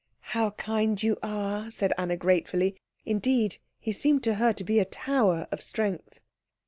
"How kind you are," said Anna gratefully; indeed, he seemed to her to be a tower of strength.